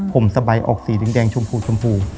ผมสะใบออกสีแดงชมพู